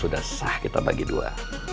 sudah sah kita bagi dua